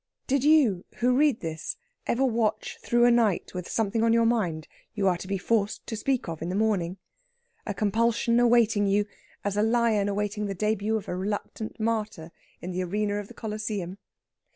Did you, who read this, ever watch through a night with something on your mind you are to be forced to speak of in the morning a compulsion awaiting you as a lion awaiting the début of a reluctant martyr in the arena of the Coliseum?